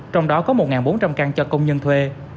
trong đó có một bốn trăm linh căn cho công nhân thuê